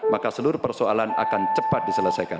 maka seluruh persoalan akan cepat diselesaikan